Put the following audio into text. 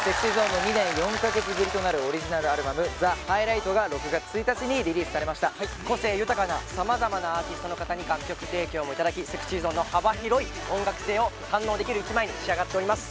ＳｅｘｙＺｏｎｅの２年４か月ぶりとなるオリジナルアルバム「ザ・ハイライト」が６月１日にリリースされました個性豊かな様々なアーティストの方に楽曲提供もいただきＳｅｘｙＺｏｎｅの幅広い音楽性を堪能できる１枚に仕上がっております